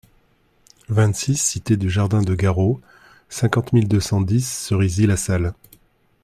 vingt-six cité du Jardin de Garot, cinquante mille deux cent dix Cerisy-la-Salle